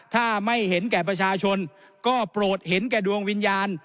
ถ้าไม่เห็นแก่ประชาชนก็โปรดเห็นแก่ดวงวิญญาณ